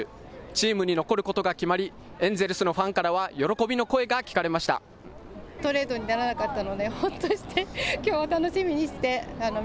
チームに残ることが決まりエンジェルスのファンからは喜びの声が聞かれました。